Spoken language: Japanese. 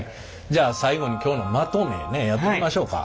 じゃあ最後に今日のまとめねやってみましょうか。